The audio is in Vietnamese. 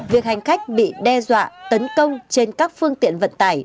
việc hành khách bị đe dọa tấn công trên các phương tiện vận tải